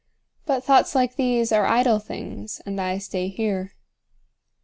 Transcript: But thoughts like these are idle things, And I stay here.